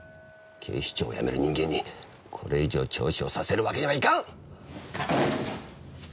警視庁を辞める人間にこれ以上聴取をさせるわけにはいかん！